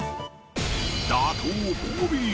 打倒ボビー！